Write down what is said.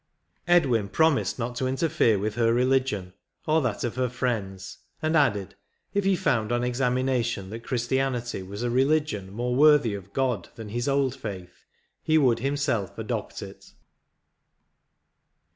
Edwin promised not to interfere with her religion or that of her friends ; and added, if he found on examina tion that Christianity was a religion more worthy of God than his old faith, he would himself adopt it.